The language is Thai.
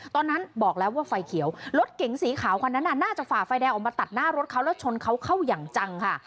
ตอนนั้นบอกแล้วว่าไฟเขียวรถเก๋งสีขาวคันนั้นน่าจะฝ่าไฟแดงออกมาตัดหน้ารถเขาแล้วชนเขาเข้าอย่างจังค่ะ